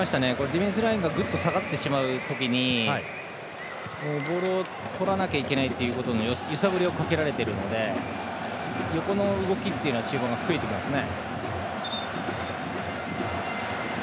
ディフェンスラインがぐっと下がってしまう時にボールをとらなきゃいけない揺さぶりをかけられているので横の動きが中盤は増えますね。